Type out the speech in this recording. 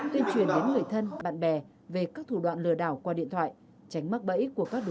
tuyên truyền đến người thân bạn bè về các thủ đoạn lừa đảo qua điện thoại